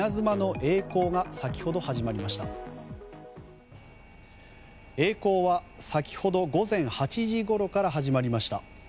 えい航は先ほど午前８時ごろから始まりました。